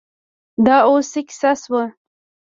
دا اوس څه کیسه شوه.